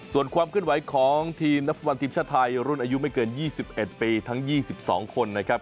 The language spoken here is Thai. ส่วนความเคลื่อนไหวของทีมนักฟุตบอลทีมชาติไทยรุ่นอายุไม่เกิน๒๑ปีทั้ง๒๒คนนะครับ